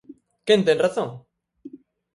Quen ten razón?